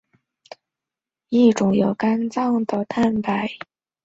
极低密度脂蛋白为一种由肝脏制造的脂蛋白。